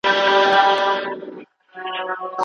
بېځنډه عمل کولو اهمیت ښيي